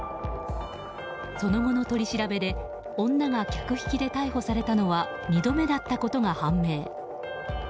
その後の取り調べで女が客引きで逮捕されたのは２度目だったことが判明。